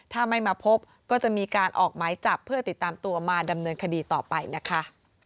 ถ้าไม่มาพบก็จะมีการออกหมายจับเพื่อติดตามตัวมาดำเนินคดีต่อไปนะคะ